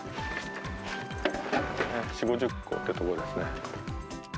４、５０個ってところですね。